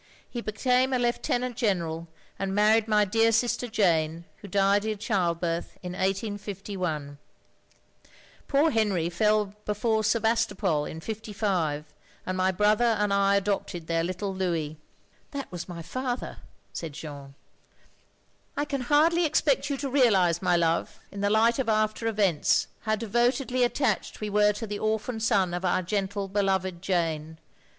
" He became a Lieutenant General and married my dear sister Jane, who died in childbed, in 185 1. Poor Henry fell before Sevastopol in '55, and my brother and I adopted their little Louis." 28 THE LONELY LADY "That was my father," said Jeanne. "I can hardly expect you to realise, my love, in the light of after events, how devotedly at tached we were to the orphan son of our gentle beloved Jane.